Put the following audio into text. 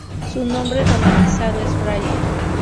Su nombre romanizado es Brian.